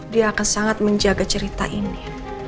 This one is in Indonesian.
dia akan sangat menjaga cerita ini